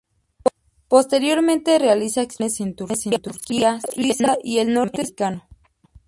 Posteriormente realiza exploraciones en Turquía, Suiza, y el norte sudamericano.